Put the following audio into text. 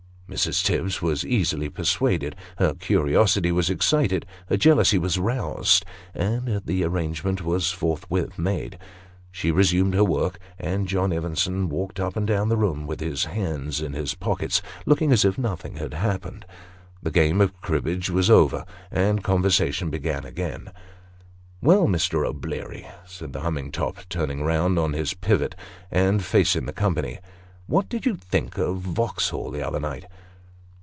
Mrs. Tibbs was easily persuaded; her curiosity was excited, her jealousy was roused, and the arrangement was forthwith made. She resumed her work, and John Evenson walked up and down the room with his hands in his pockets, looking as if nothing had happened. The game of cribbage was over, and conversation began again. " Well, Mr. O'Bleary," said the humming top, turning round on his pivot, and facing the company, " what did you think of Va'uxhall the other night